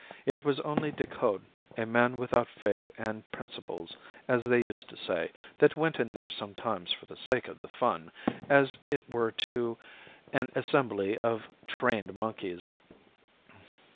It was only Decoud, a man without faith and principles, as they used to say, that went in there sometimes for the sake of the fun, as it were to an assembly of trained monkeys.